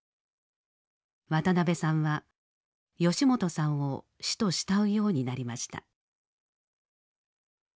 渡辺さんは吉本さんを師と慕うようになりました。